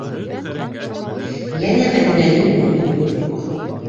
Йәнә Мәҙинәнең күңеле бойоҡ.